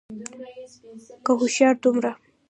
که هوښيار دومره